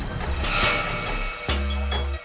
โปรดติดตามตอนต่อไป